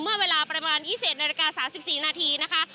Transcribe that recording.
เมื่อเวลาประมาณ๒๑นาฬิกา๓๔นาทีนะคะ